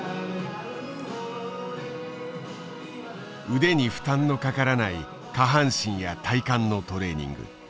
腕に負担のかからない下半身や体幹のトレーニング。